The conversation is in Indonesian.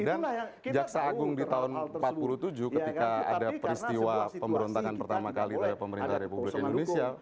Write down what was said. dan jaksa agung di tahun seribu sembilan ratus empat puluh tujuh ketika ada peristiwa pemberontakan pertama kali oleh pemerintah republik indonesia